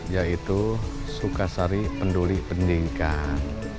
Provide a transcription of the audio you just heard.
yaitu sukasari penduli pendidikan